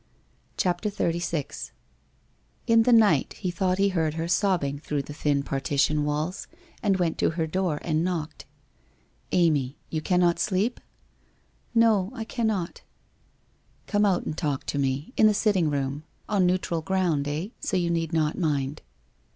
CHAPTER XXXVI In the night he thought he heard her sobbing through the thin partition Avails, and went to her door and knocked. ' Amy, you cannot sleep ?'' No, I cannot.' ' Come out and talk to me. In the sitting room. On neutral ground, eh. So you need not mind.'